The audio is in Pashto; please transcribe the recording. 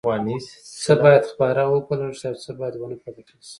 څه باید خپاره او وپلټل شي او څه باید ونه پلټل شي؟